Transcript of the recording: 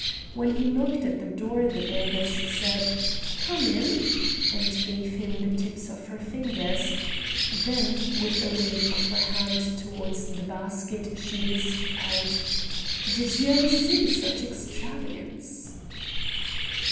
When he knocked at the door the baroness said "come in," and gave him the tips of her fingers; then, with a wave of her hand towards the basket, she lisped out: "Did you ever see such extravagance!"